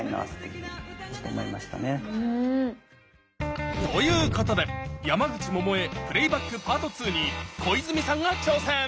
うん。ということで山口百恵「プレイバックｐａｒｔ２」に小泉さんが挑戦！